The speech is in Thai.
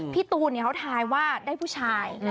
พี่ตูนเขาทายว่าได้ผู้ชาย